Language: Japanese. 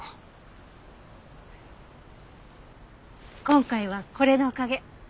今回はこれのおかげ。